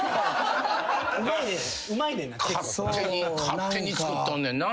勝手に作っとんねんな。